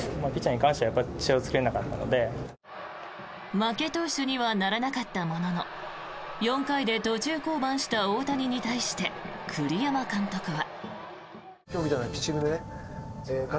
負け投手にはならなかったものの４回で途中降板した大谷に対して栗山監督は。